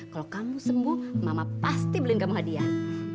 kalau kamu sembuh mama pasti beling kamu hadiah